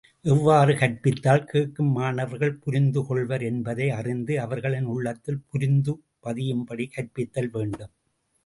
எவ்வாறு கற்பித்தால், கேட்கும் மாணவர்கள் புரிந்து கொள்வர், என்பதை அறிந்து அவர்களின் உள்ளத்தில் புரிந்து பதியும்படி கற்பித்தல் வேண்டும்.